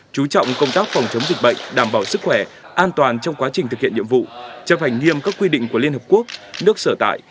chú trọng công tác phòng chống dịch bệnh đảm bảo sức khỏe an toàn trong quá trình thực hiện nhiệm vụ chấp hành nghiêm các quy định của liên hợp quốc nước sở tại